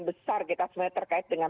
besar kita sebenarnya terkait dengan